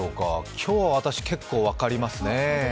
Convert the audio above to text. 今日、私、結構分かりますね。